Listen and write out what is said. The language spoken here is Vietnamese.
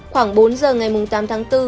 khoảng bốn giờ ngày tám tháng bốn